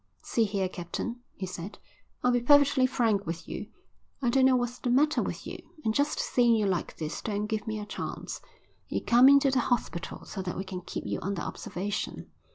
"See here, Captain," he said, "I'll be perfectly frank with you. I don't know what's the matter with you, and just seeing you like this don't give me a chance. You come into the hospital so that we can keep you under observation.